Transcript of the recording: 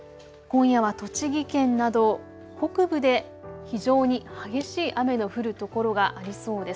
今夜は栃木県など北部で非常に激しい雨の降る所がありそうです。